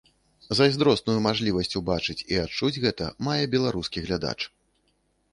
Зайздросную мажлівасць убачыць і адчуць гэта мае беларускі глядач.